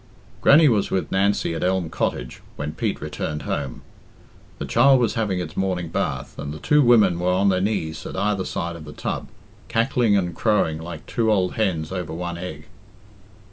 Grannie was with Nancy at Elm Cottage when Pete returned home. The child was having its morning bath, and the two women were on their knees at either side of the tub, cackling and crowing like two old hens over one egg.